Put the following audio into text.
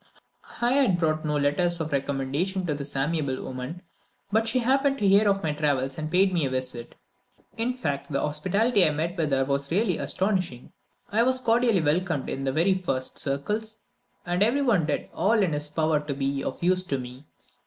I had brought no letters of recommendation to this amiable woman, but she happened to hear of my travels and paid me a visit. In fact, the hospitality I met with here was really astonishing. I was cordially welcomed in the very first circles, and every one did all in his power to be of use to me.